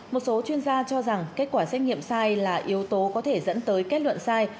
một số chuyên gia cho rằng kết quả xét nghiệm sai là yếu tố có thể dẫn tới kết luận sai